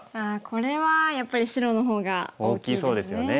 これはやっぱり白の方が大きいですね。